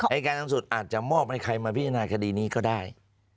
อายการสูงสุดอาจจะมอบให้ใครมาพิจารณาคดีนี้ก็ได้